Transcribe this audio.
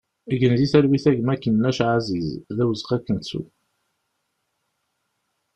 Gen di talwit a gma Kennac Aziz, d awezɣi ad k-nettu!